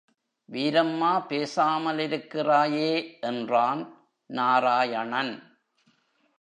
வீரம்மா பேசாமலிருக்கிறாயே என்றான் நாராயணன்.